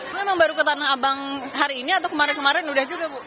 ini emang baru ke tanah abang hari ini atau kemarin kemarin udah juga bu